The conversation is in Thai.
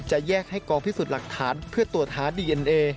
แยกให้กองพิสูจน์หลักฐานเพื่อตรวจหาดีเอ็นเอ